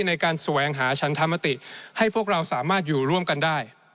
ในการแสวงหาชันธรรมติให้พวกเราสามารถอยู่ร่วมกันได้